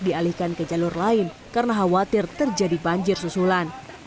dialihkan ke jalur lain karena khawatir terjadi banjir susulan